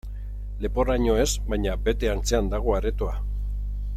Leporaino ez, baina bete antzean dago aretoa.